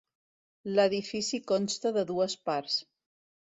L'edifici consta de dues parts.